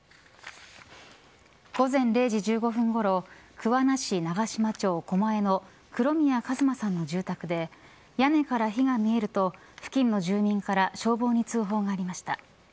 午前０時１５分ごろ桑名市長島町駒江の黒宮一馬さんの住宅で屋根から火が見えると付近の住民から消防に通報がありました。